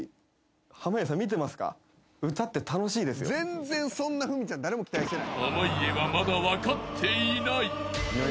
全然そんな郁ちゃん誰も期待してない。